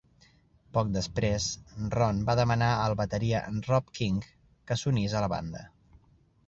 Poc després, Ron va demanar al bateria Rob King que s'unís a la banda.